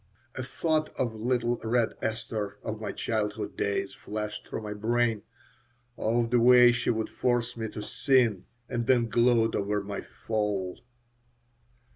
A thought of little Red Esther of my childhood days flashed through my brain, of the way she would force me to "sin" and then gloat over my "fall."